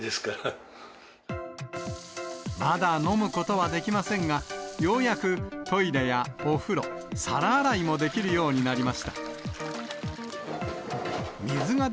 まだ飲むことはできませんが、ようやくトイレやお風呂、皿洗いもできるようになりました。